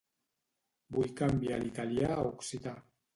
Vull canviar l'italià a occità.